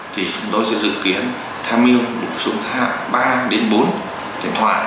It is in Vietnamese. thì chúng tôi sẽ dự kiến tham yêu bổ sung ba đến bốn điện thoại